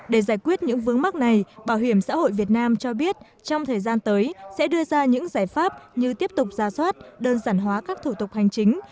để giải quyết những vướng mắt này bảo hiểm xã hội việt nam cho biết trong thời gian tới sẽ đưa ra những giải pháp như tiếp tục ra soát đơn giản hóa các thủ tục hành chính